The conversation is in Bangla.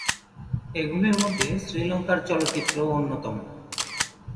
এগুলির মধ্যে শ্রীলঙ্কার চলচ্চিত্রও অন্যতম।